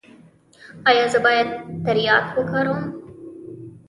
ایا زه باید تریاک وکاروم؟